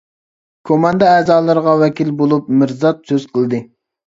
كوماندا ئەزالىرىغا ۋەكىل بولۇپ مىرزات سۆز قىلدى.